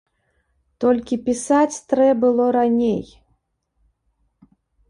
Толькі пісаць трэ было раней.